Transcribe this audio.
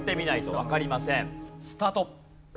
スタート！